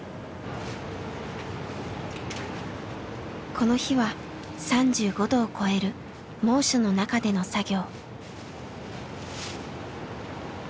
この日は３５度を超える猛暑の中での作業。